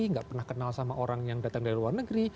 nggak pernah kenal sama orang yang datang dari luar negeri